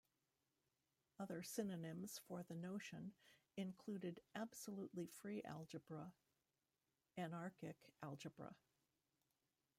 Other synonyms for the notion include absolutely free algebra, anarchic algebra.